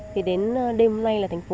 thì đến đêm hôm nay là thành phố